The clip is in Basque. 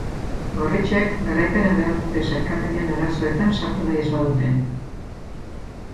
Gorritxoek garaipena behar dute sailkapenean arazoetan sartu nahi ez badute.